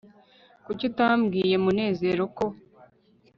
kuki utabwiye munezero ko